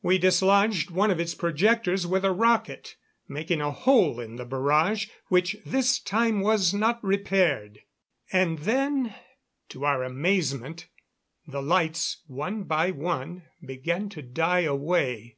We dislodged one of its projectors with a rocket, making a hole in the barrage, which this time was not repaired. And then, to our amazement, the lights one by one began to die away.